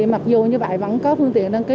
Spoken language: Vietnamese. mặc dù như vậy vẫn có phương tiện đăng ký